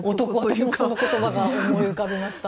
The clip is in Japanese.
私もその言葉が思い浮かびました。